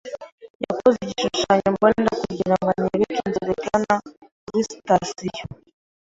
Yakoze igishushanyo mbonera kugirango anyereke inzira igana kuri sitasiyo.